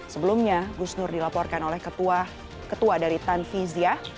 sebelumnya gusnur dilaporkan oleh ketua dari tanfizyah